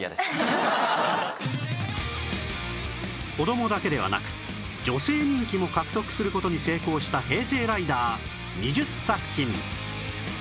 子供だけではなく女性人気も獲得する事に成功した平成ライダー２０作品